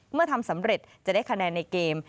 ทำสำเร็จจะได้คะแนนในเกม